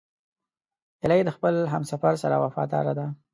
هیلۍ د خپل همسفر سره وفاداره ده